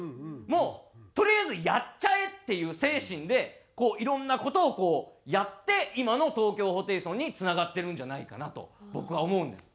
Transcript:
もうとりあえずやっちゃえっていう精神でいろんな事をこうやって今の東京ホテイソンにつながってるんじゃないかなと僕は思うんです。